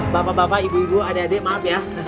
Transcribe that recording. bapak bapak ibu ibu adik adik maaf ya